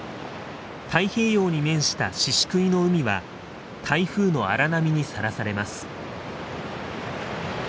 太平洋に面した宍喰の海は台風の荒波にさらされます。